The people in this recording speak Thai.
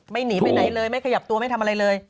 หนีไปไหนเลยไม่ขยับตัวไม่ทำอะไรเลย